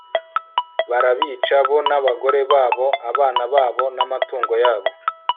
barabica, bo n'abagore babo, abana babo n'amatungo yabo